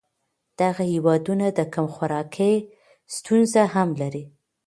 دغه هېوادونه د کم خوراکۍ ستونزه هم لري.